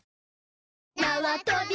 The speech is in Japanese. なわとび